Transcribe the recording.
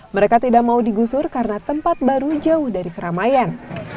mereka tidak mau digusur karena tempat baru jauh dari keramaian